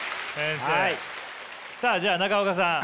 さあじゃあ中岡さん